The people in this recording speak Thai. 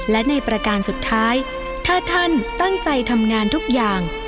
และในประการสุดท้ายถ้าท่านตั้งใจทำงานทุกอย่าง